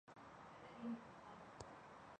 的里雅斯特街。